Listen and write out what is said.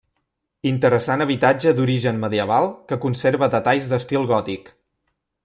Interessant habitatge d'origen medieval que conserva detalls d'estil gòtic.